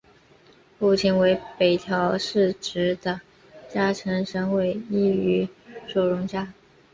父亲为北条氏直的家臣神尾伊予守荣加。